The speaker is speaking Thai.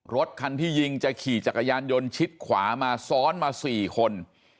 รถคันที่ยิงจะขี่จักรยานยนต์ชิดขวามาซ้อนมา๔คน